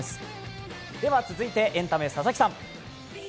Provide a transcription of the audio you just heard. では続いてエンタメ、佐々木さん。